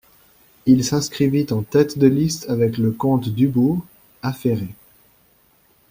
Il s'inscrivit en tête de la liste avec le comte Dubourg, affairé.